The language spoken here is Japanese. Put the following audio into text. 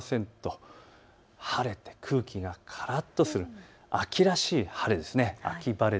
晴れて空気がからっとする、秋らしい晴れです。